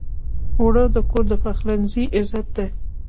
اوړه د کور د پخلنځي عزت دی